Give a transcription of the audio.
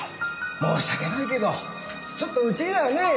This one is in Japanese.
申し訳ないけどちょっとうちではねえ。